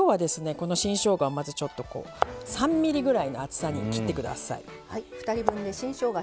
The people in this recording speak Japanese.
この新しょうがをまずちょっとこう３ｍｍぐらいの厚さに切ってください。